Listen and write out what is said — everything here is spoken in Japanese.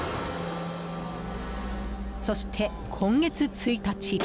そして、今月１日。